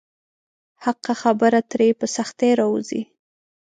حقه خبره ترې په سختۍ راووځي.